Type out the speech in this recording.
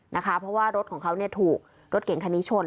เพราะว่ารถของเขาถูกรถเก่งคันนี้ชน